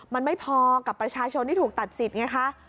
มันไม่พอกับประชาชนที่ถูกตัดสิทธิไงคะ